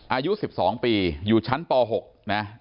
อายุ๑๒ปีอยู่ชั้นป๖นะ